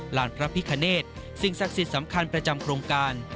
ลานพระพิคเนตสิ่งศักดิ์สิทธิ์สำคัญประจำโครงการ